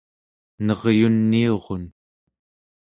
neryuniurun